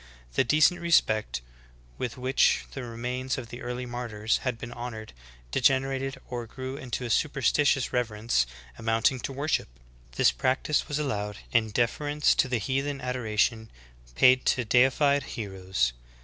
The decent respect with which the remains of the early martyrs had been honored degenerated or grew into a superstitious reverence amounting to worship. This practice was allowed in deference to the heathen adoration paid to deified heroes.